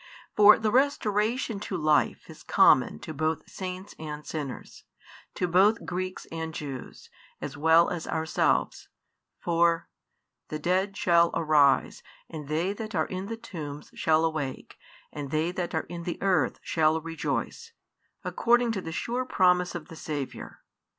For the restoration to life is common to both saints and sinners, to both Greeks and Jews, as well as ourselves, for: The dead shall arise, and they that are in the tombs shall awake, and they that are in the earth shall rejoice, according to the sure promise of the Saviour.